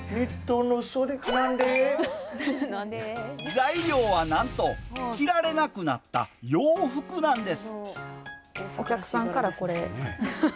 材料はなんと着られなくなった洋服なんです。